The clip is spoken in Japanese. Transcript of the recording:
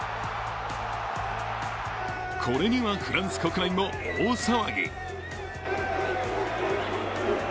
これにはフランス国内も大騒ぎ。